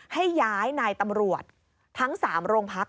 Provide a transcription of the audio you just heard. ให้ย้ายนายตำรวจทั้ง๓โรงพัก